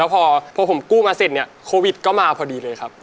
พอผมกู้มาเสร็จเนี่ยโควิดก็มาพอดีเลยครับ